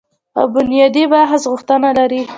او بنیادي بحث غوښتنه لري